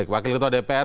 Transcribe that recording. wakil ketua dpr